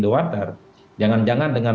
the water jangan jangan dengan